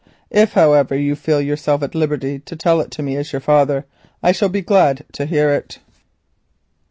If, however, you feel yourself at liberty to tell it to me as your father, I shall be glad to hear it."